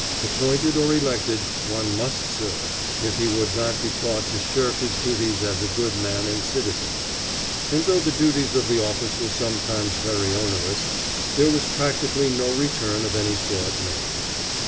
Appointed or elected, one must serve, if he would not be thought to shirk his duties as a good man and citizen; and though the duties of the office were sometimes very onerous, there was practically no return of any sort made.